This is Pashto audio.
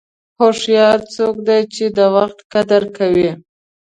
هوښیار څوک دی چې د وخت قدر کوي.